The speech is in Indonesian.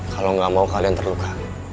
kalau nggak mau kalian terluka